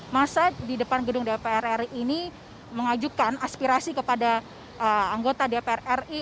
masa di depan gedung dpr ri ini mengajukan aspirasi kepada anggota dpr ri